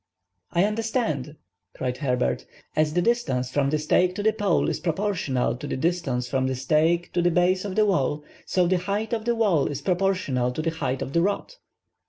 "I understand," cried Herbert. "As the distance from the stake to the pole is proportional to the distance from the stake to the base of the wall, so the height of the wall is proportional to the height of the rod."